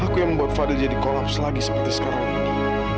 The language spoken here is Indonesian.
aku yang membuat fadil jadi kolaps lagi seperti sekarang ini